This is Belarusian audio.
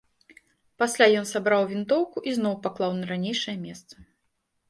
Пасля ён сабраў вінтоўку і зноў паклаў на ранейшае месца.